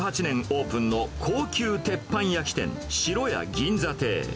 オープンの高級鉄板焼き店、しろや銀座亭。